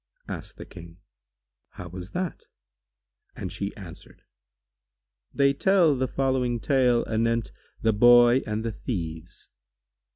Asked the King, "How was that?" and she answered, "They tell the following tale anent The Boy and the Thieves.